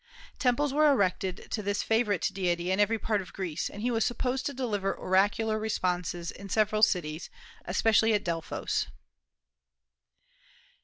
Temples were erected to this favorite deity in every part of Greece, and he was supposed to deliver oracular responses in several cities, especially at Delphos.